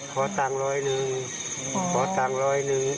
ขอตังรอยหนึ่งขอตังรอยหนึ่ง